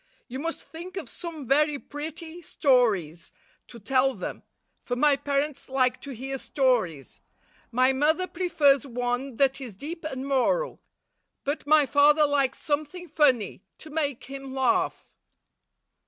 You must think of some very pretty stories to tell them, for my parents like to hear stories. My mother prefers one that is deep and moral ; but my father likes something funny, to make him laugh."